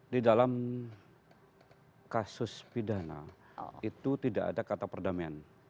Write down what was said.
di dalam kasus pidana itu tidak ada kata perdamaian